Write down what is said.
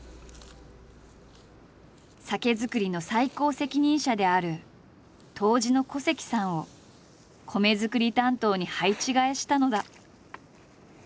酒造りの最高責任者である杜氏の古関さんを米作り担当に配置換えしたのだ。